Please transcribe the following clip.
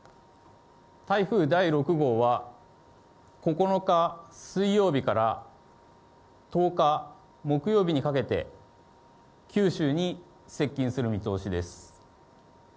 台風第６号は、９日水曜日から１０日木曜日にかけて、九州に接近する見通しです。